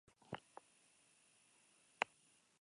Disidentzia, bestetik, politika eta gizarte arloan erabiltzen da.